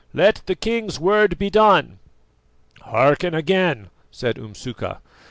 "Let the king's word be done." "Hearken again," said Umsuka.